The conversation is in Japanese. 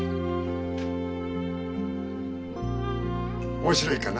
面白いかな？